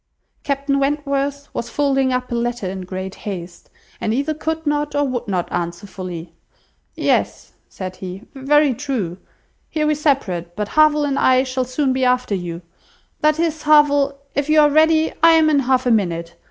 Captain Wentworth was folding up a letter in great haste, and either could not or would not answer fully. "Yes," said he, "very true; here we separate, but Harville and I shall soon be after you; that is, Harville, if you are ready, I am in half a minute.